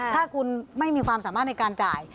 ถ้าคุณไม่มีความสามารถในการจ่าย